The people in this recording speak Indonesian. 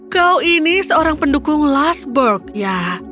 kau ini seorang pendukung last board ya